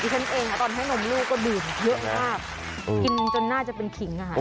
ฉันเองตอนให้นมลูกก็ดื่มเยอะมากกินจนน่าจะเป็นขิงอะค่ะ